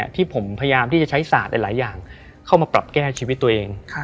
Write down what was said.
ที่ผมพยายามที่จะใช้ศาสตร์หลายอย่างเข้ามาปรับแก้ชีวิตตัวเอง